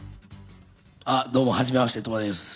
どうもはじめまして、鳥羽です。